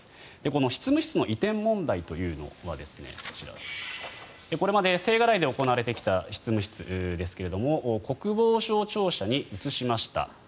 この執務室の移転問題というのはこれまで青瓦台で行われてきた執務室ですが国防省庁舎に移しました。